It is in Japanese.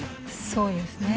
そうですね